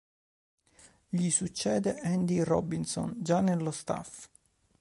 Gli succede Andy Robinson, già nello Staff.